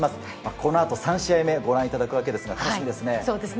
このあと３試合目をご覧いただくわけですが楽しみですね。